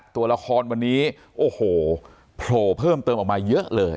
ตัวละครวันนี้โอ้โหโผล่เพิ่มเติมออกมาเยอะเลย